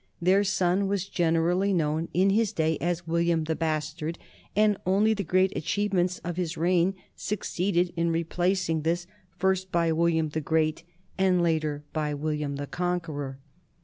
Their son was generally known in his day as William the Bastard, and only the great achievements of his reign succeeded in replacing this, first by William the Great and later by William the Conqueror.